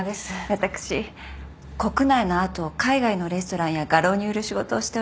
私国内のアートを海外のレストランや画廊に売る仕事をしております。